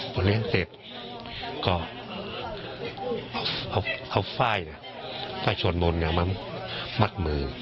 พอเลี้ยงเสร็จก็เอาเอาเอาฝ้ายน่ะฝ้ายชวนบนเนี่ยมามัดมือ